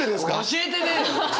教えてねえよ！